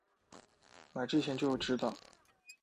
买之前就知道